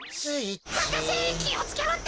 博士きをつけろってか！